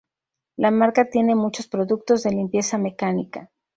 La marca tiene muchos productos de limpieza mecánica.